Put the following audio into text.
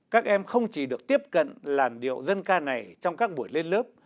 các em không chỉ được tiếp cận làn điệu dân ca này trong các buổi lên lớp